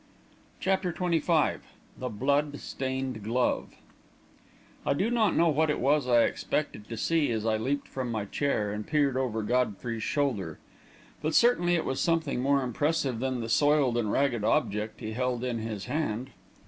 CHAPTER XXV THE BLOOD STAINED GLOVE I do not know what it was I expected to see, as I leaped from my chair and peered over Godfrey's shoulder; but certainly it was something more impressive than the soiled and ragged object he held in his hand.